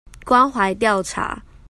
關懷調查